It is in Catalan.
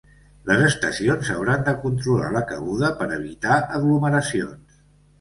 Les estacions hauran de controlar la cabuda per evitar aglomeracions.